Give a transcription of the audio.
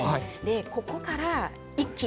ここから一気。